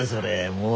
もう。